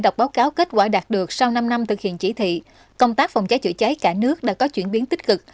công tác phòng cháy chữa cháy cả nước đã có chuyển biến tích cực